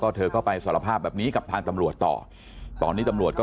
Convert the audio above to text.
เธอก็ไปสารภาพแบบนี้กับทางตำรวจต่อตอนนี้ตำรวจก็